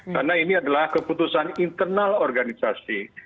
karena ini adalah keputusan internal organisasi